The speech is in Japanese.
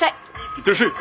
行ってらっしゃい！